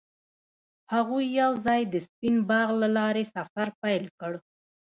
هغوی یوځای د سپین باغ له لارې سفر پیل کړ.